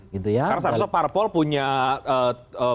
karena seharusnya parpol punya tanggung jawab begitu